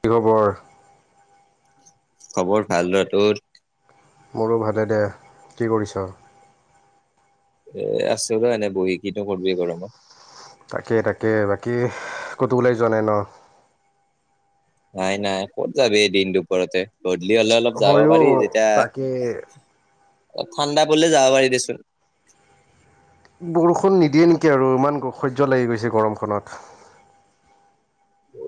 কি খবৰ। খবৰ ভাল ৰ তত। মোৰো ভালে দে কি কৰিছ। এ আছোত এনে বহি কিনো কৰবি গৰমত। তাকে তাকে বাকী ক'তো বোলাই যোৱা নাই ন। নাই নাই ক'ত যাব এই দিন দুপৰতে। দ্লি হ'লে অলপ যাব ময়ো পাৰি যেতিয়া। তাকে অ ঠাণ্ডা পলে যাব পাৰি দেচোন। বৰষুণ নিদিয়ে নেকি আৰু ইমান সহ্য লাগি গৈছে গৰমখনত।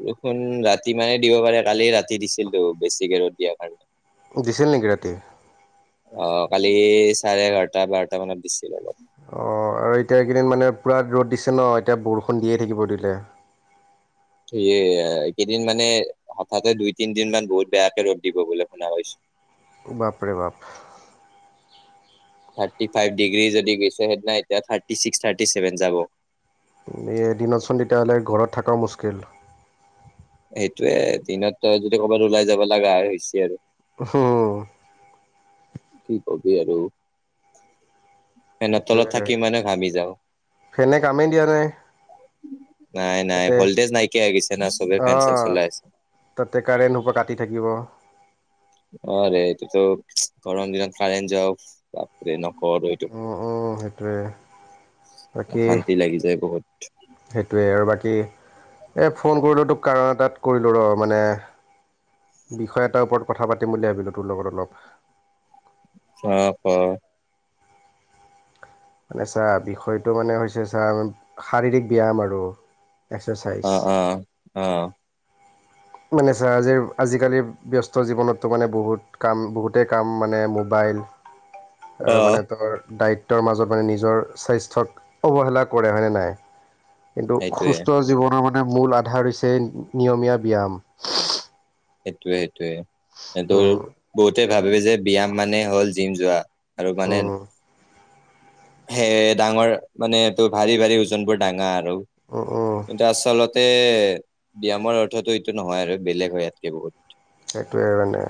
বৰষুণ ৰাতি মানে দিব পাৰে কালি ৰাতি দিছিলতো বেছিকে ৰৰত দিয়া কাৰণে। দিছিল নেকি ৰাতি। অ কালি চাৰে এঘাৰটা বাৰটা মানত দিছো। অ আৰু এতিয়া এই কেইদিন মানে। পূৰা ৰ'দ দিছে ন এতিয়া বৰষুণ দিয়ে থাকিব দিলে। সে এইকেইদিন মানে হঠাতে দুই তিনদিন মান বহুত বেয়াকে ৰ'দ দিব বুলি শুনা কৈছো। বাপৰে বাপ। থাৰ্টি ফাইভ ডিগ্ৰী যদি গৈছে সেদিনা এতিয়া থাৰ্টি ছিক্স থাৰ্টি ছেভেন যাব। দিনতচোন তেতিয়াহ'লে ঘৰত থকাও মুস্কিল। সেইটোয়ে দিনত যদি কৰ'বাত ওলাই যাব লগা হৈছে আৰু। উহু। কি কবি আৰু। এনে ফেনত সেইটোৱে তলত থাকি মানে ঘামি যাও। ফেনে কামেই দিয়া নাই নাই নাই তাতে ভল্টেজ নাইকিয়া গিছে না চবে ফেন চেন অঁ চলাই আছে তাতে কাৰেণ্ট হোপ কাটি থাকিব অ ৰে এটোটো গৰম দিনত কাৰেন্ট যোৱা বাপৰে নক উম উম সেইটোৱে বাকী অশান্তি লাগি যায় বহুত সেইটোৱেই আৰু বাকী এই ফোন কৰিলোঁ তোক কাৰণ এটাত কৰিলোঁ ৰ মানে। বিষয় এটাৰ ওপৰত কথা পাতিম বুলি ভাবিলো তোৰ লগত অলপ। হ ক। মানে ছাৰ বিষয়টো মানে হৈছে ছাৰ শাৰীৰিক ব্যায়াম আৰু। এক্সাৰচাইজ অ উ অহ। মানে চ আজ আজিকালিৰ ব্যস্ত জীৱনততো মানে বহুত কাম বহুতেই কাম মানে মোবাইল। অ আৰু মানে দাৰি। তেওঁৰ মাজত মানে নিজৰ স্বাস্থ্যক অৱহেলা কৰে হয়নে নাই। কিন্তু সেইটোৱে সুস্থ জীৱনৰ মানে মূল আধাৰ হৈছে নিয়মীয়া ব্যায়াম। সেইটোোৱে সেইটোয়ে স তোৰ উম বহুতে ভাবে যে ব্যায়াম মানে হ'ল জিম যোৱা। আৰু মানে। উম সে ডাঙৰ মানেটো ভাৰী ভাৰী ওজন বোৰ ডাঙাৰ। উম উম কিন্তু আচলতে ব্যায়ামৰ অৰ্থতো এইটো নহয় আৰু বেলেগ হয় ইাত। কি বহুত। সেইটোৱে মানে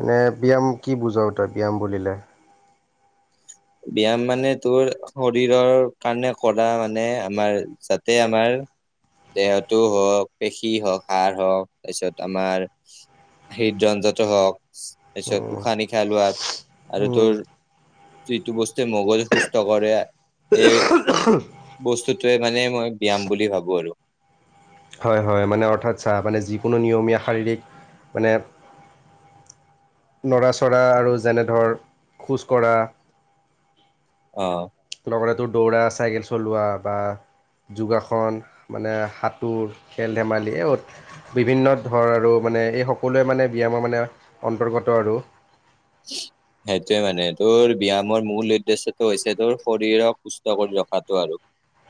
এনে ব্যায়াম কি বুজা তই ব্যায়াম বুলিলে। ব্যায়াম মানে তোৰ শৰীৰৰ কাৰণে কৰা মানে আমাৰ যাতে আমাৰ। দেহতো হওক পেশী হওক সাৰ হওক তাৰপিছত আমাৰ। হৃট যজাত হওক। তাৰপিছত উশাহ নিশাহ লোৱাত আৰু উম, তোৰ যিটো বস্তু। মোগল সুস্থ কৰে এই বস্তুটোৱে মানে মই ব্যয়াম বুলি ভাবো আৰু হয় হয় মানে অৰ্থাৎ চাহ মানে যিকোনো নিয়মীয়া শাৰীৰিক মানে নৰাচৰা আৰু যেনে ধৰ খোজকঢ়া অ তো দৌৰা চাইকেল চলোৱা বা যোগাসন মানে সাঁতোৰ খেল ধেমালি বিভিন্ন ধৰ আৰু মানে এই সকলোৱে মানে ব্যায়ামৰ মানে অন্তৰ্গত আৰু সেইটোয়ে মানে তোৰ ব্যায়ামৰ মূল উদ্দেশ্যটো হৈছে তোৰ শৰীৰক সুস্থ কৰিব ৰখা দখাটো আৰু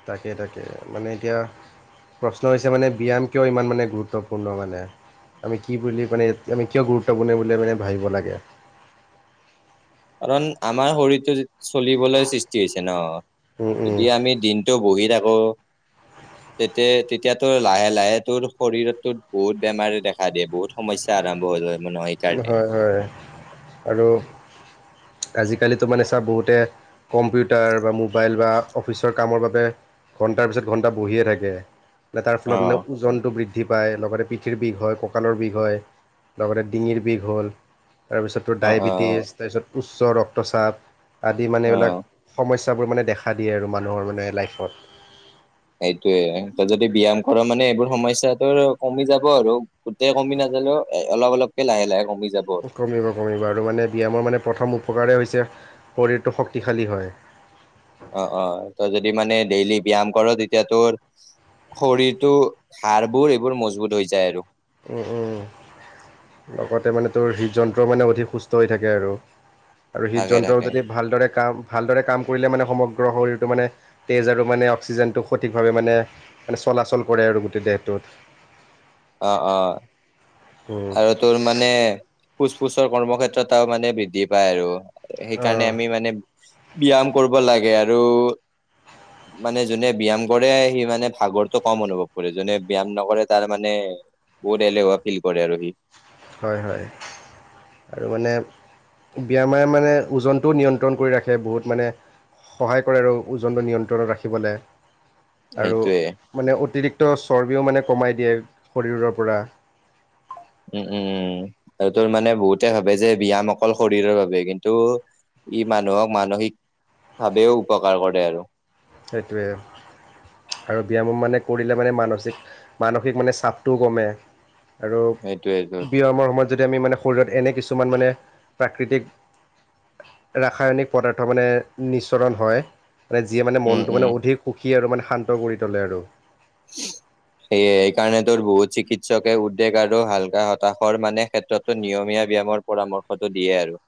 তাকে তাকে মানে এতিয়া প্ৰশ্ন হৈছে মানে ব্যায়াম কিয় ইমান মানে গুৰুত্বপূৰ্ণ মানে আমি কি বুলি মানে আমি কিয় গুৰুত্বপূৰ্ণ বুলি মানে ভাবিব লাগে [unintelligible] কাৰণ আমাৰ শৰীৰটো চলিবলৈ সৃষ্টি হৈছে ন উম উম যদি আমি দিনটো বহি থাক অ তেতিয়া তেতিয়া তোৰ লাহে লাহে তোৰ শৰীৰত তো বহুত বেমাৰে দেখা দিয়ে বহুত সমস্যা আৰম্ভ হয় ন হয় হয় আৰু আজিকালিতো মানে চাৰ বহুতে কম্পিউটাৰ বা মোবাইল বা অফিচৰ কামৰ বাবে ঘন্টাৰ পিছত ঘন্টা বহিয়ে থাকে যে তাৰ ফলত মানে অ', ওজনটো বৃদ্ধি পায় লগতে পিঠিৰ বিষ হয় কঁকালৰ বিষ হয় লগতে ডিঙিৰ বিষ হ'ল তাৰপিছত তোৰ অ', অ', ডায়েবেটিছ তাৰপিছত উচ্চ ৰক্তচাপ আদি মানে এইবিলাক অ'। সমস্যাবোৰ মানে দেখা দিয়ে আৰু মানুহৰ মানে লাইফত সেইটোয়ে তই যদি ব্যায়াম কৰ মানে এইবোৰ সমস্যা তোৰ কমি যাব আৰু গোটেই কমি নাালেও এ অলপ অলক লাহ লাহে কমি যাব। আৰু। কমিব কমিব আৰু মানে ব্যায়ামৰ মানে প্ৰথম উপকাৰে হৈছে শৰীৰটো শক্তিশালী হয়। ব্যয়াম কাৰ তেতিয়া তোৰ শৰীৰটো হাড়বোৰ এইবোৰ মজবুত হৈ যায় আৰু। উম উম। লগতে মানে তোৰ হৃদযন্ত্ৰ মানে অধিক সুস্থ হৈ থাকে আৰু। আৰু থাকে হৃদযন্ত্ৰ থাকে। যদি ভালদৰে কাম ভালদৰে কাম কৰিলে মানে সমগ্ৰ শৰীৰটো মানে তেঁজ আৰু মানে অক্সিজেনটো সঠিকভাৱে মানে মানে চলাচল কৰে আৰু গোটেই দেহটোত। অহ অহ। উম, আৰু তোৰ মানে ফোচ ফুচৰ কৰ্মক্ষেত্ৰটাও মানে বৃদ্ধি পায় আৰু। সেইকাৰণে অঁ আমি মানে ব্যয়াম কৰব লাগে আৰু মানে যোনে ব্যায়াম কৰে সি মানে ভাগৰটো কম অনুভৱ কৰে, যোনে ব্যায়াম নকৰে তাৰ মানে বহুত এলেহুৱা ফিল কৰে আৰু সি। হয় হয় আৰু মানে ব্যামাযে মানে ওজনটোও নিয়ন্ত্ৰণ কৰি ৰাখে বহুত মানে সহায় কৰে আৰু ওজনটো নিয়ন্ত্ৰণত ৰাখিবলে আৰু সেইটোয়ে মানে অতিৰিক্ত চৰ্বিও মানে কমাই দিয়ে শৰীৰৰ পৰা উম উম আৰু তোৰ মানে বহুতে ভাবে যে ব্যায়াম অকল শৰীৰৰ বাবে কিন্তু ই মানুহক মানসিক ভাৱেও উপকাৰ কৰে আৰু। সেইটোৱে। আৰু ব্যায়াম মানে কৰিলে মানে মানসিক মানসিক মানে চাপটোও কমে। আৰু সেইটোয়ে তোৰ ব্যায়ামৰ সময়ত যদি আমি মানে শৰীৰত এনে কিছুমান মানে প্ৰাকৃতিক ৰাসায়নিক পদাৰ্থ মানে নিচৰণ হয়, মানে যি মানে উম মনটো মানে উম অধিক সুখী আৰু মানে শান্ত কৰি তোলে আৰু। উ [unintelligible] সেয়ে সেই কাৰণে তোৰ বহুত চিকিৎসকে উদ্বেগ আৰু হালকা হতাশৰ মানে ক্ষেত্ৰতো নিয়মীয়া ব্যায়ামৰ পৰামৰ্শটো দিয়ে আৰু।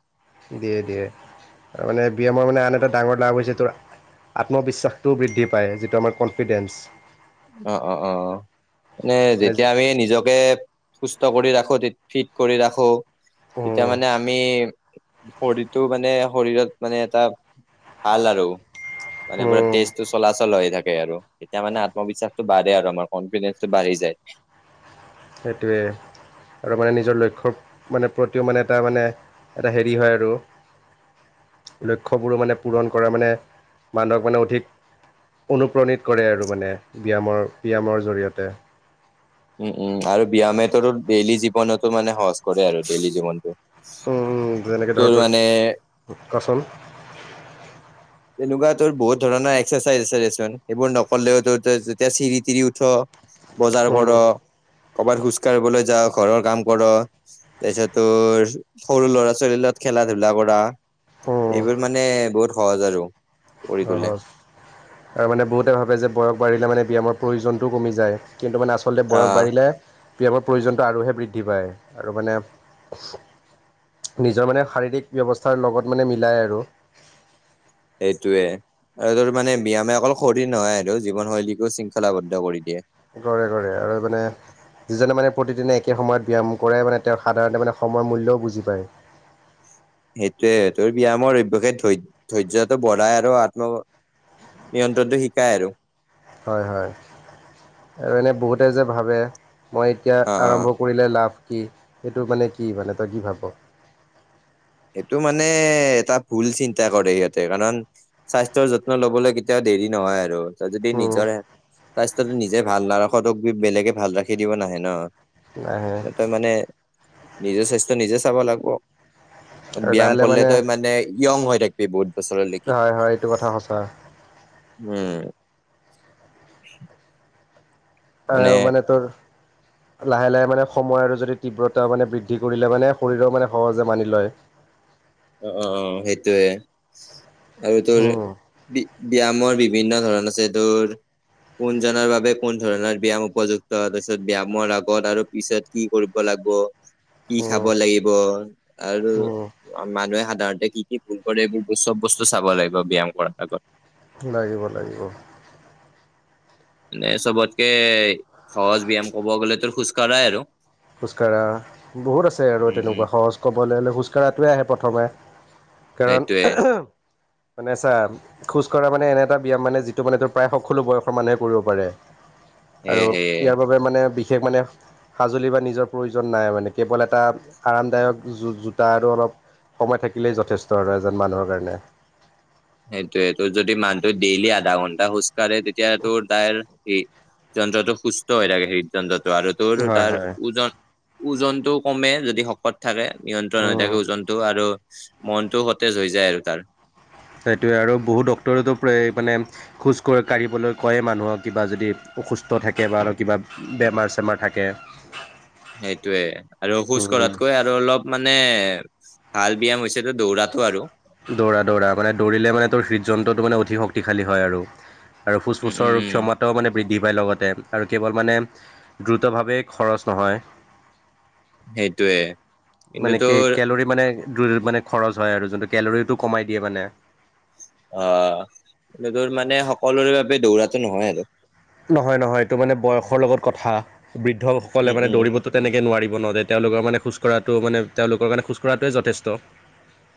দিয়ে দিয়ে আৰু মানে ব্যায়ামৰ মানে আন এটা ডাঙৰ লাভ হৈছে তোৰ আত্মবিশ্বাসটোও বৃদ্ধি পায় যিটো আমাৰ কনফিডেঞ্চ। অঁ অঁ অঁ এনে মানে যেতিয়া আমি নিজকে সুস্থ কৰি ৰাখো ফিট কৰি ৰাখো তেতিয়া উম মানে আমি শৰীৰটো মানে শৰীৰত মানে এটা ভাল আৰু। মানে পুৰা উম তেজটো চলাচল হৈ থাকে আৰু এতিয়া মানে আত্ম বিশ্বাসটো বাঢ়ে আৰু আমাৰ কনফিডেসটো বাঢ়ি যায়। সেইটোৱে। আৰু মানে নিজৰ লক্ষ্যৰ মানে প্ৰতিও মানে এটা মানে এটা হেৰি হয় আৰু লক্ষ্যবোৰো মানে পূৰণ কৰা মানে মান্দহক মানে অধিক অনুপ্ৰাণিত কৰে আৰু মানে ব্যায়ামৰ ব্যায়ামৰ জৰিয়তে। উম উম আৰু ব্যায়ামেতো ডেইলি জীৱনতো মানে সহজ কৰে আৰু ডেইলী উম যেনেকে জীৱনতটো। ধৰ তোৰ মানে ক'চোন? তেনেকুৱা তোৰ বহুত ধৰণৰ এক্সাৰচাইজ আছে দেচোন সেইবোৰ নকলেও তোৰ যেতিয়া চিৰি তিৰি উ'ঠ বজাৰ ক'ৰ উম কৰ'বাত খোজ কঢ়িবলৈ যাও ঘৰৰ কাম ক'ৰ তাৰ পিছতোৰ সৰু ল'ৰা ছোৱালী খেলা ধূলা কৰা উম এইবোৰ মানে বহুত সহজ আৰু। কৰি অঁ তোলে হয় আৰু মানে বহুতে ভাবে যে বয়স বাঢ়িলে মানে ব্যায়ামৰ প্ৰয়োজনটোও কমি যায় কিন্তু মানে আচলতে বয়স আহ বাঢ়িলে ব্যয়ামৰ প্ৰয়োজনটো আৰুহে বৃদ্ধি পায় আৰু মানে নিজৰ মানে শাৰীৰিক ব্যৱস্থাৰ লগত মানে মিলাই আৰু। সেইটোয়ে আৰু তোৰ মানে ব্যামে অকল শৰীৰ নহয় আৰু জীৱন শৈলীকো শৃংখলাবদ্ধ কৰি দিয়ে। ঘৰে ঘৰে আৰু মানে যিজনে মানে প্ৰতিদিনে একে সময়ত ব্যায়াম কৰাই মানে তেওঁক সাধাৰণতে মানে সময়ৰ মূল্যও বুজি পায়। [unintelligible] সেইটোয়ে তোৰ ব্যায়ামৰ অভ্যাসে ধৈ ধৈৰ্য্যটো বঢ়াই আৰু আত্ম- নিয়ন্ত্ৰণটো শিকাই আৰু হয় হয় আৰু এনে বহুতে যে ভাবে মই এতিয়া অ অ আৰম্ভ কৰিলে লাভ। কি সেইটো মানে কি মানে তই কি ভাব। সেইটো মানে এটা ভুল চিন্তা কৰে সিহঁতে কাৰণ স্বাস্থ্যৰ যত্ন লবলৈ কেতিয়া দেৰি নহয় আৰু যদি উম নিজৰ স্বাস্থ্য টো নিজে ভাল নাৰাখে তোক বেলেগে ভাল ৰাখি দিব নাহে ন। নাহে তই মানে নিজৰ স্বাস্থ্য নিজে চাব লাগিব। আৰু লাহে ব্যায়াম লাহে কৰিলে তই মানে য়ং হৈ থাকিবি বহুত বছৰলৈকি। হয় হয় এইটো কথা সঁচা উম। আহ মানে তোৰ লাহে লাহে মানে সময় আৰু যদি তীব্ৰতা মানে বৃদ্ধি কৰিলে মানে শৰীৰও মানে সহজে মানি লয়। অঁ অঁ অঁ সেইটোৱে আৰু তোৰ উম ব্যায়ামৰ বিভিন্ন ধৰণ আছে তোৰ। কোন জনৰ বাবে কোন ধৰণৰ ব্যয়াম উপযুক্ত তাৰপিছত ব্যয়ামৰ আগত আৰু পিছত কি কৰিব লাগে। কি খাব উম লাগিব আৰু উম অঁ মানুহে সাধাৰণতে কি কি ভুল কৰে এইবোৰ চব বস্তু চাব লাগিব ব্যায়াম কৰাৰ আগত লাগিব লাগিব। এ চবতকে সহজ ব্যয়াম কব গ'লেতো খোজ কঢ়াই আৰু খোজকাঢ়া বহুত আছে আৰু উম উম তেনেকুৱা সহজ ক'বলৈ হ'লে খোজ কঢ়াটোৱে আহে প্ৰথমে কাৰণ সেইটোয়ে মানে চা খোজ কঢ়া মানে এনে এটা ব্যায়াম মানে যিটো মানে প্ৰায় সকলো বয়সৰ মানুহে কৰিব পাৰে আৰু সেয়ে সেয়ে ইয়াৰ বাবে মানে বিশেষ মানে সাজ নিজৰ প্ৰয়োজন নাই মানে কেৱল এটা আৰামদায়ক জোতা আৰু অলপ সময় থাকিলেই যথেষ্ট আৰু এজন মানুহৰ কাৰণে সেইটোয়ে তোৰ যদি মানহটো ডেইলি আধা ঘন্টা খোজকাঢ়ে তেতিয়া তোৰ তাইৰ স যন্ত্ৰটো সুস্থ হৈ থাকে হৃদ যন্ত্ৰটো আৰু তোৰ হয় তাৰ হয় ওজন ওজনটো কমে যদি শকত থাকে নিয়ন্ত্ৰণ হৈ থাকে ওজনটো আৰু মনটো সতেজ হৈ যায় আৰু তাৰ সেইটোৱে আৰু বহুত ডক্তৰেতো প্ৰায় মানে খোজ কঢ় কাঢ়িবলৈ কয় মানুহক কিবা যদি অসুস্থ কষ্ট থাকে বা আৰু কিবা বেমাৰ চেমাৰ থাকে সেইটোয়ে আৰু খোজ উম কঢ়াতকৈ আৰু অলপ মানে ভাল ব্যায়াম হৈছেতো দৌৰাটো আৰু দৌৰা দৌৰা মানে দৌৰিলে মানে তোৰ হৃদযন্ত্ৰটো মানে অধিক শক্তিশালী হয় আৰু আৰু ফুচ উম উম পুচৰ উম ক্ষমতাও মানে বৃদ্ধি পায় লগতে আৰু কেৱল মানে দ্ৰুতভাৱে খৰচ নহয় সেইটোয়ে কিন্তু মানে কি তোৰ কেলৰি মানে টোৰ মানে খৰচ হয় আৰু যোনটো কেলৰিটো কমাই দিয়ে মানে অ কি তোৰ মানে সকলোৰে বাবে দৌৰাতো নহয় আৰু নহয় নহয় এইটো মানে বয়সৰ লগত কথা বৃদ্ধসকলে উম মানে উম দৌৰিবতো তেনেকে নোৱাৰি তেওঁলোকৰ মানে খোজ কঢ়াটো তেওঁলোকৰ কাৰণে খোজ কঢ়াটোৱে যথেষ্ট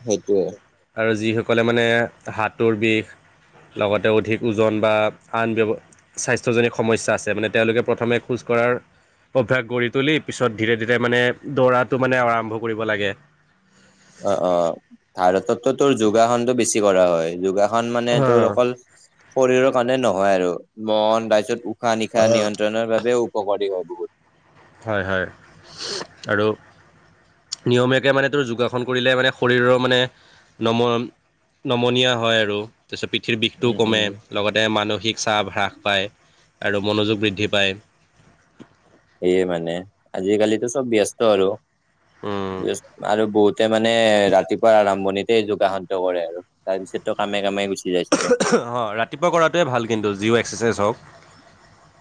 সেইটোয়ে আৰু যিহেত ক'লে মানে হাতোৰ বিষ লগতে অধিক ওজন বা আন ব্যৱ স্বাস্থ্যজনিত সমস্যা আছে মানে তেওঁলোকে প্ৰথমে খোজকঢ়াৰ অভ্যাস গঢ়ি তুলি পিছত ধীৰে ধীৰে মানে দৌৰাটো মানে আৰম্ভ কৰিব লাগে। অ অ ভাৰততো তোৰ যোগাসনতটো বেছি কৰা হয় যোগাসন- [unintelligible] মানে অ তোৰ অকল শৰীৰৰ কাৰণে নহয় আৰু মন [unintelligible] উশাহ-নিশাহ নিয়ন্ত্ৰণৰ বাবেও উপকাৰী হয় বহুত- হয় হয় আৰু - নিয়মীয়াকে মানে তোৰ যোগাসন কৰিলে মানে শৰীৰৰ মানে নম- নমনীয়া হয় আৰু- পিছত পিঠিৰ বিষটোও উম কমে উম লগতে মানসিক চাপ হ্ৰাস পায়। আৰু মনোযোগ বৃদ্ধি পায়- সে মানে আজিকালিতো চব ব্যস্ত আৰু আৰু বহুতে মানে ৰাতিপুৱা আৰম্ভণিত- যোগাসন কৰে আৰু তাৰপিছতো কামে কামে- গুচি যায় অ চবে ৰাতিপুৱা কৰাটোৱে ভাল কিন্তু যি'ও এক্সাৰচাইজ হওঁক -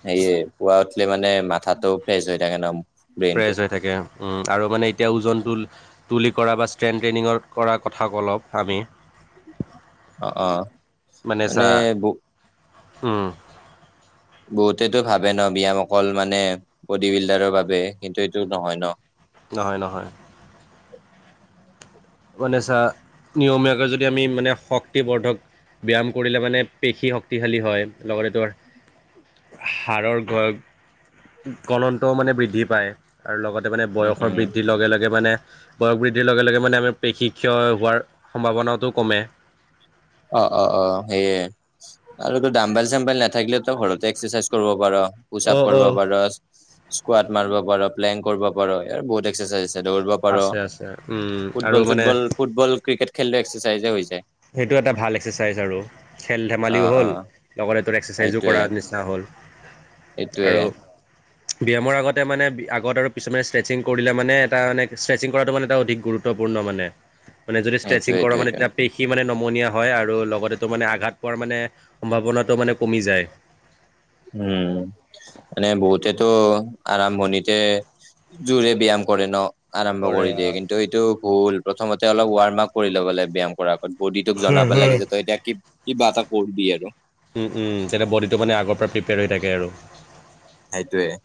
সেয়ে পুৱা উঠিলে মানে মাথাটো ফ্ৰেছ হৈ থাকে ন। ফ্ৰেছ ব্ৰেইনটো হৈ থাকে আৰু মানে এতিয়া ওজনটো- তুলি কৰা বা ষ্ট্ৰেন ট্ৰেইনিংৰ কৰা কথা ক অলপ আমি- অ অ মানে- উম- বহুতেটো ভাবে ন ব্যায়াম অকল মানে বডি বিল্ডাৰৰ বাবে কিন্তু এইটো নহয় ন- নহয় নহয়- মানে চা নিয়মীয়াকৈ যদি আমি মানে শক্তিবৰ্ধক - ব্যায়াম কৰিলে মানে পেশী শক্তিশালী হয় লগতে তোৰ - হাড়ৰ কণন্তও মানে বৃদ্ধি পায় আৰু লগতে- মানে উম বয়সৰ উম বৃদ্ধিৰ লগে লগে মানে বয়স বৃদ্ধিৰ লগে লগে মানে আমি- শীক্ষয় হোৱাৰ সম্ভাৱনাটো কমে- অ অ অ সেইয়ে আৰু ত দাম্বল চামভল নাথাকিলে তো ঘৰতে এক্সাৰচাইজ কৰিব পাৰ- পুচাপ অ', কৰিব অ'। পাৰা, স্কুৱাড মাৰিব পাৰা, প্লেং কৰিব পাৰা এ বহুত এক্সাৰচাইজ- দৌৰিব পাৰো আছে আছে উম, আৰু ফুটবল মানে চুটবল ফুটবল ক্ৰিকেট খেলো এক্সাৰচাইজে হৈ যায়- সেইটো এটা ভাল এক্সাৰচাইজ আৰু খেল অ ধেমালিও অ হ'ল লগতে তোৰ এক্সাৰচাইজো এইটোৱে কৰাৰ নিচিনা হ'ল। এইটোৱে- আৰু ব্যায়ামৰ আগতে মানে আগত আৰু পিছমানে ষ্ট্ৰেচিং কৰিলে মানে এটা মানে ষ্ট্ৰেচিং কৰাটো মানে এটা অধিক গুৰুত্ব। [unintelligible] মানে মানে যদি ষ্ট্ৰেচিং এইটোৱে কৰ এইটো মানে - এইটো [unintelligible] নমনীয়া হয় আৰু লগতো মানে আঘাত পোৱাৰ মানে সম্ভাৱনাটো মানে কমি যায়। উম এনে বহুতে'টো- আৰম্ভণিতে যোৰে ব্যায়াম কৰে ন আৰম্ভ কৰে কৰি দিয়ে অ'। কিন্তু এইটো ভুল- প্ৰথমতে অলপ ৱাৰ্ম আপ কৰি ল'ব লাগে ব্যায়াম কৰাৰ আগত বডিটোক জনাব লাগে যে তই এতিয়া কি- কিবা এটা কৰবি আৰু- উম উম তেতিয়া বডিটো মানে আগৰ পৰা প্ৰিপেয়াৰ হৈ থাকে আৰু- সেইটোৱেই।